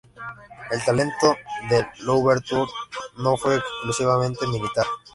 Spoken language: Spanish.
El talento de Louverture no fue exclusivamente militar.